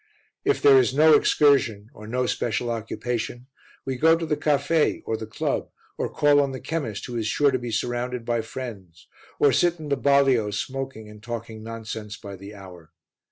If there is no excursion or no special occupation, we go to the caffe or the club, or call on the chemist who is sure to be surrounded by friends, or sit in the balio smoking and talking nonsense by the hour.